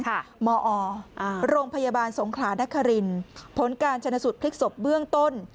ค่ะหมออออ่าโรงพยาบาลสงขลานักฮารินผลการชนะสุดพลิกศพเบื้องต้น